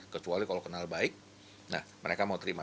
kecuali kalau kenal baik nah mereka mau terima